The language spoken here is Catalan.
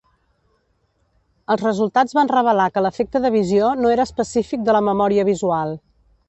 Els resultats van revelar que l'efecte de visió no era específic de la memòria visual.